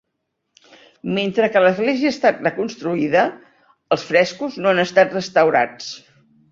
Mentre que l'església ha estat reconstruïda, els frescos no han estat restaurats.